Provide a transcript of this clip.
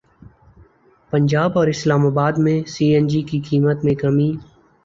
پنجاب اور اسلام اباد میں C N G کی قیمت میں کمی